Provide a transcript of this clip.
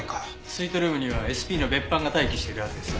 スイートルームにはＳＰの別班が待機しているはずです。